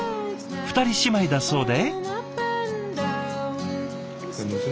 ２人姉妹だそうで。